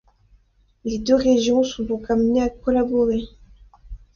Les deux régions sont donc amenées à collaborer.